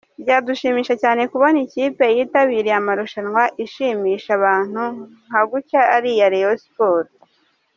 Byadushimisha cyane kubona ikipe yitabiriye amarushanwa ishimisha abantu nka gutya ari iya Rayon Sports.